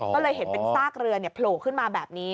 ก็เลยเห็นเป็นซากเรือโผล่ขึ้นมาแบบนี้